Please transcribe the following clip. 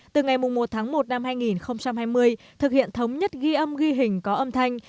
từ ngày một tháng một năm hai nghìn hai mươi thực hiện thống nhất ghi âm ghi hình có âm thanh